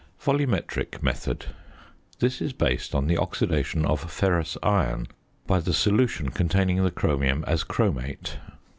VOLUMETRIC METHOD. This is based on the oxidation of ferrous iron by the solution containing the chromium as chromate.